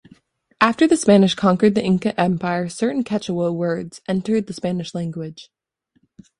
After the Spanish conquered the Inca Empire certain Quechua words entered the Spanish language.